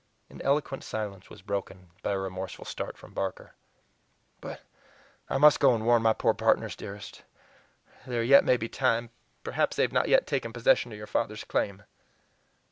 An eloquent silence was broken by a remorseful start from Barker. "But I must go and warn my poor partners, dearest; there yet may be time; perhaps they have not yet taken possession of your father's claim."